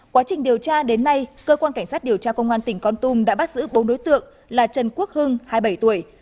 quá trình điều tra đến nay cơ quan cảnh sát điều tra công an tỉnh con tum đã bắt giữ bốn đối tượng là trần quốc hưng hai mươi bảy tuổi